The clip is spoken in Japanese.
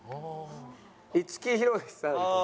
五木ひろしさんとか。